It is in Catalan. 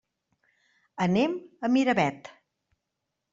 Anem a Miravet.